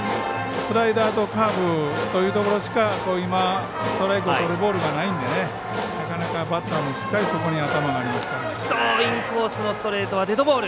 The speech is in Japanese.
スライダーとカーブというところでしかストレートのボールがないのでなかなか、バッターもインコースのストレートはデッドボール。